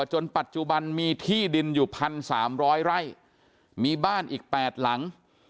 จนปัจจุบันมีที่ดินอยู่๑๓๐๐ไร่มีบ้านอีก๘หลัง